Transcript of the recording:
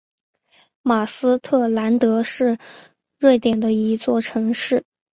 马斯特兰德是瑞典的一座城市。